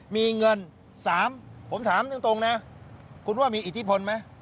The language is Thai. มีเงิน๓ผมถามตรงนะคุณว่ามีอิทธิพลไหม